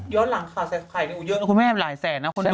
ยอดหลังค่ะใครเป็นอุยยนคุณแม่มหลายแสนนะคนดูนะ